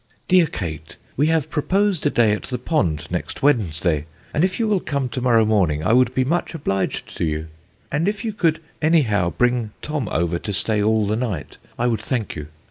"DEAR KATE, We have proposed a day at the pond next Wednesday, and if you will come to morrow morning I would be much obliged to you, and if you could any how bring Tom over to stay all the night, I would thank you.